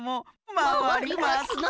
まわりますな。